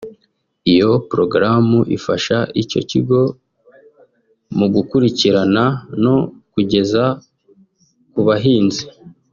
Iyo porogaramu ifasha icyo kigo mu gukurikirana no kugeza ku bahinzi